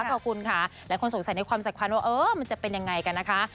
ขอบคุณค่ะหลายคนสงสัยในความสำคัญว่าเออมันจะเป็นยังไงกันนะคะ